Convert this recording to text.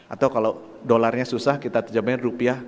atau kalau dolarnya susah kita terjemahin rp